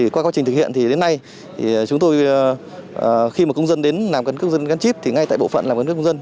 qua quá trình thực hiện thì đến nay chúng tôi khi mà công dân đến làm căn cước dân gắn chip thì ngay tại bộ phận làm căn cước công dân